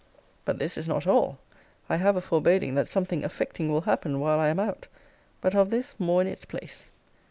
But this is not all: I have a foreboding that something affecting will happen while I am out. But of this more in its place.